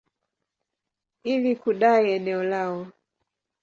ili kudai eneo lao.